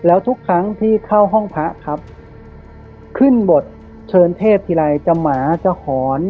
แล้วทุกครั้งที่เข้าห้องพระครับขึ้นบทเชิญเทพทีไรจะหมาจะหอน